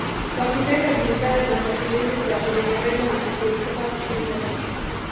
Wakiteka bidhaa za matumizi za Uingereza na kuepuka kushindwa